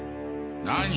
何？